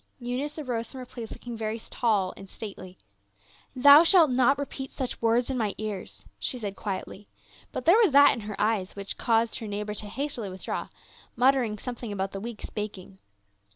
Eunice arose from her place looking very tall and stately. " Thou shalt not repeat such words in my ears," she said quietly, but there was that in her eyes which caused her neighbor to hastily withdraw, mut tering something about the week's baking.